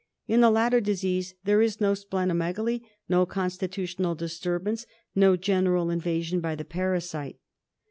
In the latter disease there is no spleno megaly, no constitutional disturbance, no general invasion by the parasite.